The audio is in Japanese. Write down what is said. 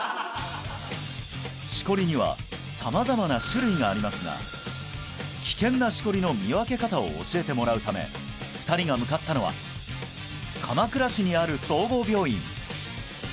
シコリには様々な種類がありますが危険なシコリの見分け方を教えてもらうため２人が向かったのは鎌倉市にある総合病院